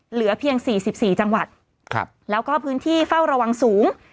เหลือเพียงสี่สิบสี่จังหวัดครับแล้วก็พื้นที่เฝ้าระวังสูง